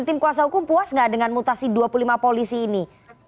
tim kuasa hukum puas nggak dengan mutasi dua puluh lima polisi ini